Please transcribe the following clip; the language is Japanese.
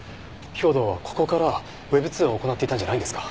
兵働はここからＷｅｂ通話を行っていたんじゃないんですか？